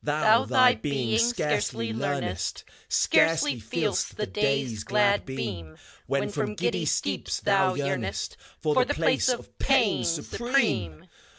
HELENA AND FAUST. Thou thy being scarcely leamest^ Scarcely feePst the Day's glad beam, When from giddy steeps thou yeamest For the place of pain supreme!